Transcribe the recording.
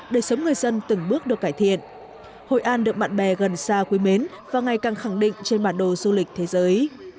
đời sống người dân từng bước được cải thiện hội an được bạn bè gần xa quý mến và ngày càng khẳng định trên bản đồ du lịch thế giới